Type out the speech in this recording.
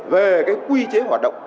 về cái quy chế hoạt động